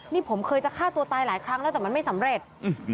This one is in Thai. นี่ผมเคยจะฆ่าตัวตายหลายครั้งแล้วแต่มันไม่สำเร็จ